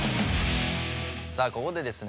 さあここでですね